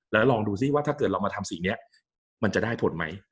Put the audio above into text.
แล้วลองดูซิว่าถ้าเกิดเรามาทำสิ่งนี้มันจะได้ผลไหม